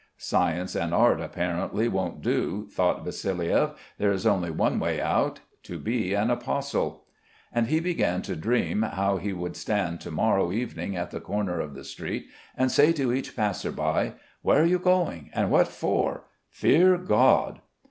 Science and art apparently won't do, thought Vassiliev. There is only one way out to be an apostle. And he began to dream how he would stand to morrow evening at the corner of the street and say to each passer by: "Where are you going and what for? Fear God!"